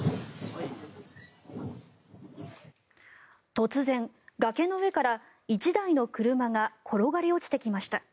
突然、崖の上から１台の車が転がり落ちてきました。